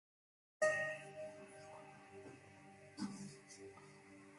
This meant there was a significant time where the main memory was idle.